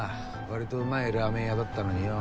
割とうまいラーメン屋だったのによ。